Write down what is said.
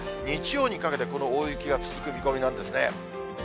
日曜にかけて、この大雪が続く見込みなんですね。